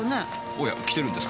おや着てるんですか？